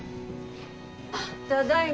ただいま。